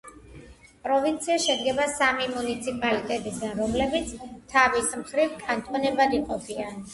პროვინცია შედგება სამი მუნიციპალიტეტისაგან, რომლებიც თავის მხრივ კანტონებად იყოფიან.